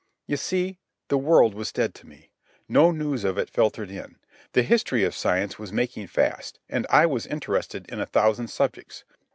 You see, the world was dead to me. No news of it filtered in. The history of science was making fast, and I was interested in a thousand subjects.